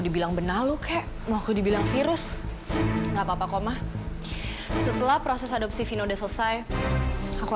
dan akhirnya memilih aku